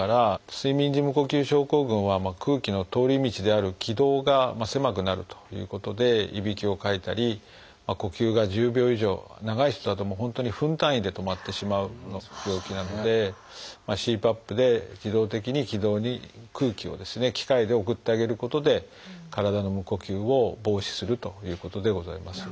睡眠時無呼吸症候群は空気の通り道である気道が狭くなるということでいびきをかいたり呼吸が１０秒以上長い人だと本当に分単位で止まってしまう病気なのでＣＰＡＰで自動的に気道に空気を機械で送ってあげることで体の無呼吸を防止するということでございます。